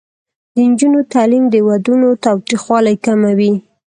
د نجونو تعلیم د ودونو تاوتریخوالي کموي.